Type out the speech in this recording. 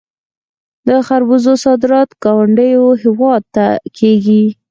د خربوزو صادرات ګاونډیو هیوادونو ته کیږي.